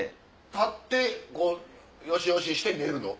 立ってこうよしよしして寝るの？